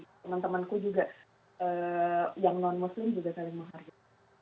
teman temanku juga yang non muslim juga saling menghargai